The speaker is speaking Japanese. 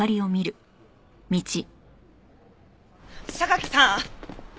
榊さん！